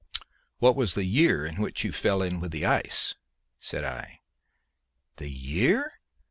"What was the year in which you fell in with the ice?" said I. "The year?"